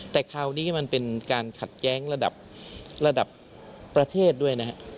แต่คราวนี้มันเป็นการขัดแย้งระดับระดับประเทศด้วยนะฮะ